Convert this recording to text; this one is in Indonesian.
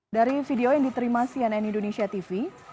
dari video yang diterima cnn indonesia tv